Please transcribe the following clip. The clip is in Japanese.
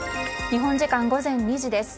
日本時間午前２時です。